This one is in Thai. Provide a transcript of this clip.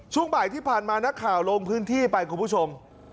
ช่วงบ่ายที่ผ่านมานักข่าวลงพื้นที่ไปคุณผู้ชม